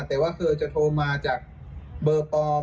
แต่ว่าเธอจะโทรมาจากเบอร์ปลอม